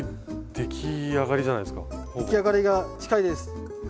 出来上がりが近いです。